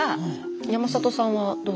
山里さんはどうですか？